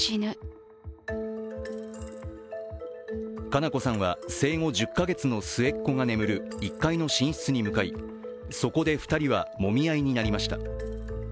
佳菜子さんは生後１０か月の末っ子が眠る１階の寝室に向かい、そこで２人はもみ合いになりました。